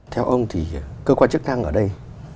theo ông thì cơ quan chức năng ở đây